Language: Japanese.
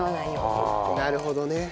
なるほどね。